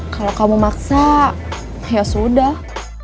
kalau kamu maksa ya sudah